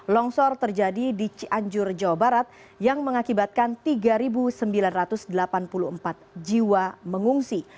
longsor terjadi di cianjur jawa barat yang mengakibatkan tiga sembilan ratus delapan puluh empat jiwa mengungsi